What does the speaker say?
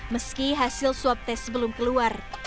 meski hasil swab test belum keluar